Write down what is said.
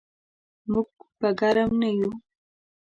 موږ به ګرم نه یو.